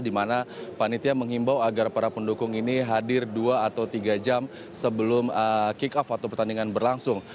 di mana panitia menghimbau agar para pendukung ini hadir dua atau tiga jam sebelum kick off atau pertandingan berlangsung